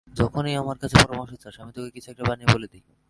যখনই আমার কাছে পরামর্শ চাস, আমি তোকে কিছু একটা বানিয়ে বলে দিই।